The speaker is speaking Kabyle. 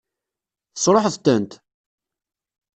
Tesṛuḥeḍ-tent?